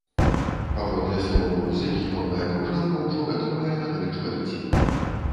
Паводле словаў музыкі, новая кружэлка ўжо гатовая на тры чвэрці.